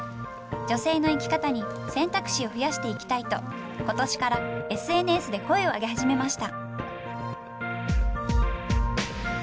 女性の生き方に選択肢を増やしていきたいと今年からＳＮＳで声を上げ始めました。